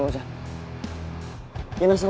gak usah gak usah gak usah